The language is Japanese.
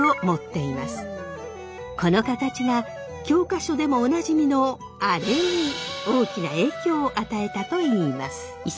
この形が教科書でもおなじみのアレに大きな影響を与えたといいます。